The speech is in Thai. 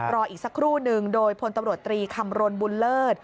รออีกสักครู่นึงโดยพลตำรวจตรีคำรณบุญเลิศ